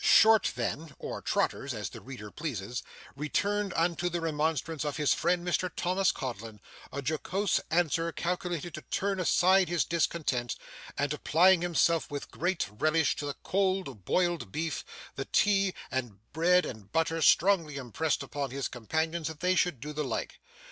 Short, then, or Trotters, as the reader pleases, returned unto the remonstrance of his friend Mr Thomas Codlin a jocose answer calculated to turn aside his discontent; and applying himself with great relish to the cold boiled beef, the tea, and bread and butter, strongly impressed upon his companions that they should do the like.